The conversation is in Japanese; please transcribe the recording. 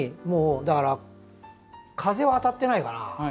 もうだから風は当たってないかな。